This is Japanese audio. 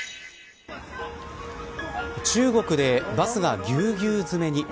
中国でバスがぎゅうぎゅう詰めに。